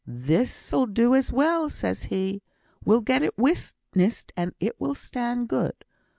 'This 'ill do as well,' says he. 'We'll get it witnessed, and it will stand good.'